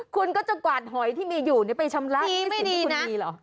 คุณก็จะกวาดหอยที่มีอยู่ในการชำระล้างหนี้สินที่คุณมีนะ